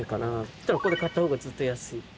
そしたらここで買った方が絶対安い。